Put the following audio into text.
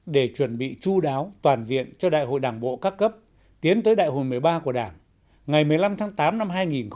để chuẩn bị chú đáo toàn diện cho đại hội đảng bộ các cấp tiến tới đại hội một mươi ba của đảng ngày một mươi năm tháng tám năm hai nghìn hai mươi